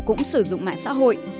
cũng sử dụng mạng xã hội